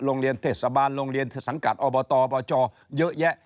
โรงเรียนเทศบาลโรงเรียนสังกัดอบตปจเยอะแยะ